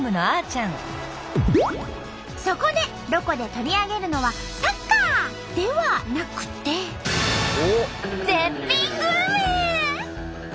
そこで「ロコ」で取り上げるのはサッカー！ではなくて絶品グルメ！